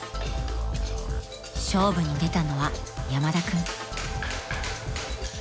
［勝負に出たのは山田君］